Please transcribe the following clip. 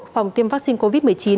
phòng tiêm vắc xin covid một mươi chín